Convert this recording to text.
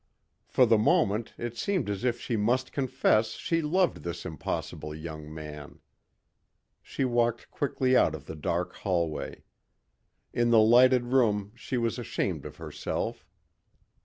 For the moment it seemed as if she must confess she loved this impossible young man. She walked quickly out of the dark hallway. In the lighted room she was ashamed of herself.